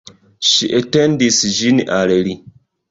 Ŝi etendis ĝin al li.